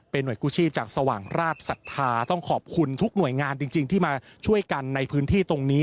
หน่วยกู้ชีพจากสว่างราชศรัทธาต้องขอบคุณทุกหน่วยงานจริงที่มาช่วยกันในพื้นที่ตรงนี้